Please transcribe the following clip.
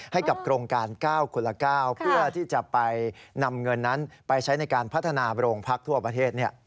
ให้กับโครงการ๙คนละ๙เพื่อที่จะไปนำเงินนั้นไปใช้ในการพัฒนาโรงพักทั่วประเทศ